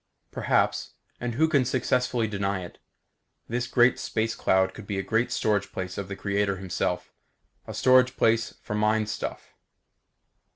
Perhaps and who can successfully deny it? this great space cloud could be a storage place of the Creator Himself; a storage place for mind stuff.